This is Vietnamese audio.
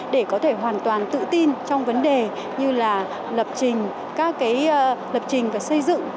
để có thể hoàn toàn tự tin trong vấn đề như là lập trình và xây dựng